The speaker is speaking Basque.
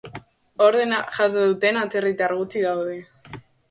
Ordena jaso duten atzerritar gutxi daude.